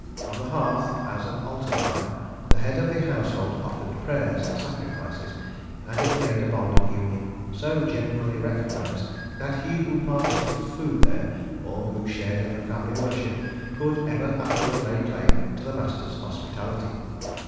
On the hearth, as an altar fire, the head of the household offered prayers and sacrifices; and it made a bond of union so generally recognized that he who partook of food there, or who shared in the family worship, could ever afterward lay claim to the master's hospitality.